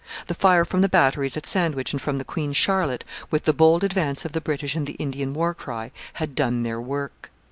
The fire from the batteries at Sandwich and from the Queen Charlotte, with the bold advance of the British and the Indian war cry, had done their work.